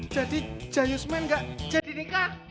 jadi jayu semen ngga jadi nikah